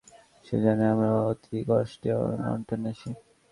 সে জানায়, আমরা অতি কষ্টে, অভাব-অনটনে আছি।